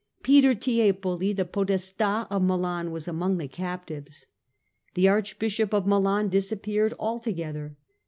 Pieter Tiepoli, the Podesta of Milan, was among the captives. The Archbishop of Milan disappeared altogether.